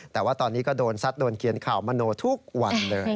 แต่ว่าตอนนี้ก็โดนซัดโดนเขียนข่าวมโนทุกวันเลย